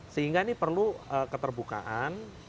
sehingga ini perlu keterbukaan